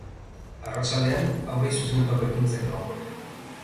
Arratsaldean, haurrei zuzendutako ekintzak egongo dira.